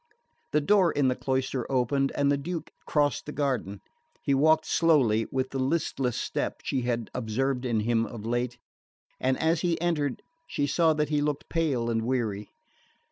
The door in the cloister opened and the Duke crossed the garden. He walked slowly, with the listless step she had observed in him of late; and as he entered she saw that he looked pale and weary.